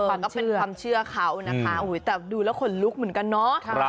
ก็เป็นความเชื่อเขานะคะแต่ดูแล้วขนลุกเหมือนกันเนาะ